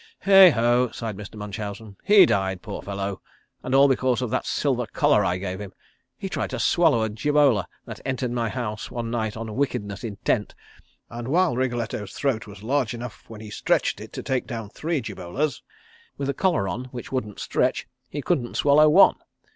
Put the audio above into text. "Heigho!" sighed Mr. Munchausen. "He died, poor fellow, and all because of that silver collar I gave him. He tried to swallow a jibola that entered my house one night on wickedness intent, and while Wriggletto's throat was large enough when he stretched it to take down three jibolas, with a collar on which wouldn't stretch he couldn't swallow one.